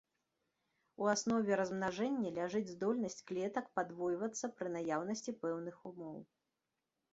У аснове размнажэння ляжыць здольнасць клетак падвойвацца пры наяўнасці пэўных умоў.